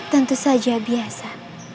tentu saja biasa